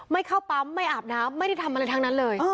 ไม่เข้าปั๊มไม่อาบน้ำไม่ได้ทำอะไรทั้งนั้นเลย